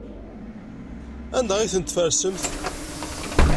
Anda ay tent-tfersemt?